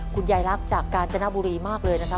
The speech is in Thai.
คุณยายรักจากกาญจนบุรีมากเลยนะครับ